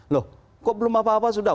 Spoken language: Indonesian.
loh kok belum apa apa sudah